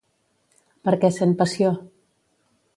Per què sent passió?